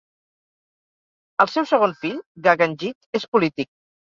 El seu segon fill, Gaganjit, és polític.